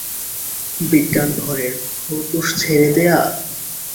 বিজ্ঞান ঘরের খরগোশ ছেড়ে দেয়া?